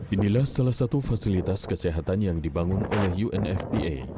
inilah salah satu fasilitas kesehatan yang dibangun oleh unpa